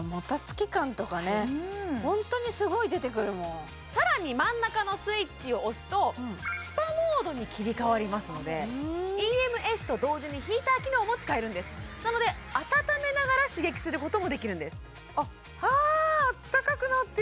しかもさらに真ん中のスイッチを押すとスパモードに切り替わりますのでＥＭＳと同時にヒーター機能も使えるんですなので温めながら刺激することもできるんですあっあ！